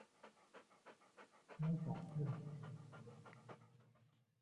商場賺錢的手法